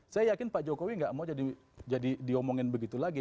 saya yakin pak jokowi nggak mau jadi diomongin begitu lagi